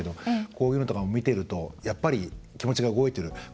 こういうのとかを見てるとやっぱり気持ちが動いてる。